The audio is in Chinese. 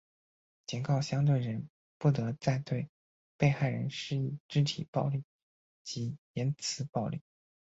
警告相对人不得再对被害人施以肢体暴力及言词暴力。